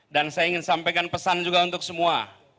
dan saya ingin sampaikan pesan juga untuk semua